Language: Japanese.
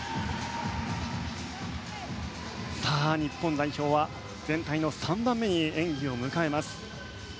さあ、日本代表は全体の３番目に演技を迎えます。